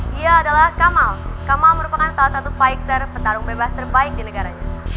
dia adalah kamal kamal merupakan salah satu fighter petarung bebas terbaik di negaranya